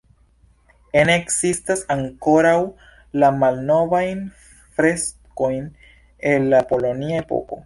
Ene ekzistas ankoraŭ la malnovajn freskojn el la kolonia epoko.